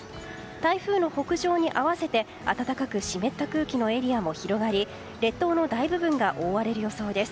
台風の北上に合わせて暖かく湿った空気のエリアも広がり列島の大部分が覆われる予想です。